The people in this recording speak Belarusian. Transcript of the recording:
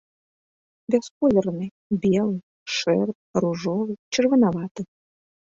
Бясколерны, белы, шэры, ружовы, чырванаваты.